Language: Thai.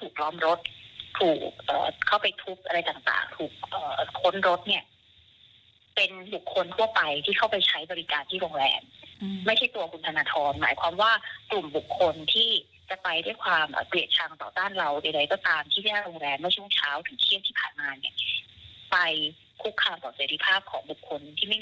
ถูกล้อมรถถูกเอ่อเข้าไปทุบอะไรต่างต่างถูกเอ่อทนรถเนี่ยเป็นบุคคลทั่วไปที่เข้าไปใช้บริการที่โรงแรมอืมไม่ใช่ตัวคุณธนทรหมายความว่ากลุ่มบุคคลที่จะไปด้วยความเอ่อเกลียดชังต่อต้านเราใดใดก็ตามที่แห้งโรงแรมเมื่อช่วงเช้าถึงเที่ยงที่ผ่านมาเนี่ยไปคุกคามต่อเศรษฐภาพของบุคคลที่ไม่